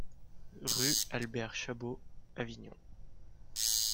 Rue Albert Chabaud, Avignon